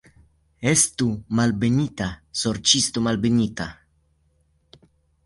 Estu malbenita, sorĉisto, malbenita.